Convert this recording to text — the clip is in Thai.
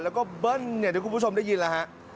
แล้วก็เบิ้ลเดี๋ยวคุณผู้ชมได้ยินแล้วฮะ